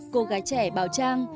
cô gái trẻ bào trang